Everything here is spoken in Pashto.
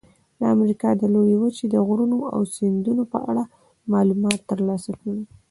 د امریکا د لویې وچې د غرونو او سیندونو په اړه معلومات ترلاسه کړئ.